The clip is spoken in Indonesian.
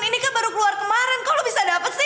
ini kan baru keluar kemaren kok lo bisa dapet sih